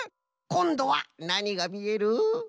こんどはなにがみえる？